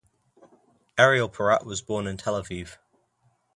Ariel Porat was born in Tel Aviv.